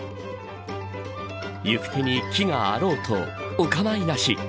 行く手に木があろうとお構いなし。